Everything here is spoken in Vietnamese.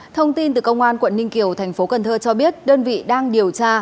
thông tin từ công an quận ninh kiều tp cn cho biết đơn vị đang điều tra